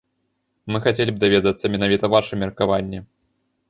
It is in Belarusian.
Мы хацелі б даведацца менавіта ваша меркаванне.